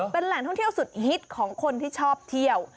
เป็นแหล่งท่องเที่ยวสุดฮิตของคนที่ชอบเที่ยว